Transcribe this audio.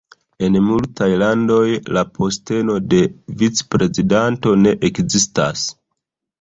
En multaj landoj, la posteno de vicprezidanto ne ekzistas.